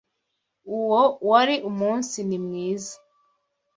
Uwo wari umunsi nimwiza.